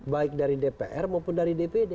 baik dari dpr maupun dari dpd